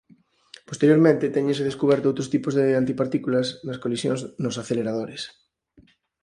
Posteriormente téñense descuberto outros tipos de antipartículas nas colisións nos aceleradores.